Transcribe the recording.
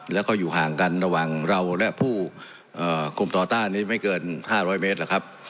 แล้วก็อยู่ห่างกันระหว่างเราและผู้กลุ่มต่อต้านนี้ไม่เกิน๕๐๐เมตรแล้วครับ